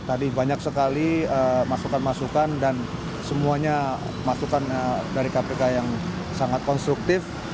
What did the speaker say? tadi banyak sekali masukan masukan dan semuanya masukan dari kpk yang sangat konstruktif